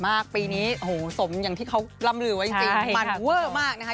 มากปีนี้โหสมอย่างที่เขาลำหลื่อไว้จริงมากส์เวอร์มากนะคะ